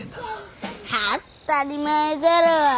当ったり前だろ。